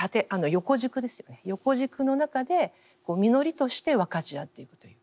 横軸の中で実りとして分かち合っていくという。